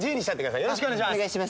よろしくお願いします。